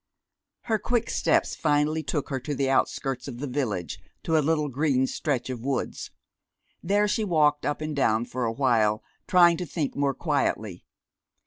Her quick steps finally took her to the outskirts of the village, to a little green stretch of woods. There she walked up and down for awhile, trying to think more quietly.